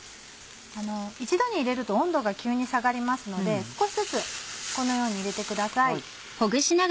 一度に入れると温度が急に下がりますので少しずつこのように入れてください。